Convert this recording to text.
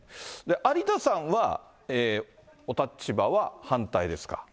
有田さんは、お立場は反対ですか？